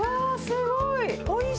すごい！